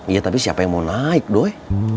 iya tapi siapa yang mau naik doy